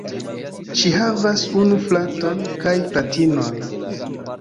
Ŝi havas unu fraton kaj fratinon.